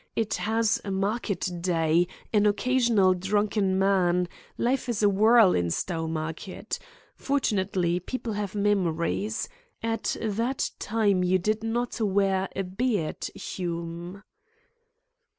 It has a market day, an occasional drunken man life is a whirl in Stowmarket. Fortunately, people have memories. At that time you did not wear a beard, Hume."